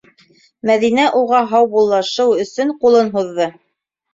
Мәҙинә уға һаубуллашыу өсөн ҡулын һуҙҙы: